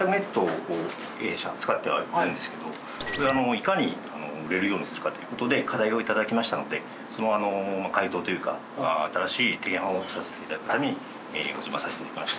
いかに売れるようにするかという事で課題を頂きましたのでその回答というか新しい提案をさせて頂くためにお邪魔させて頂きました。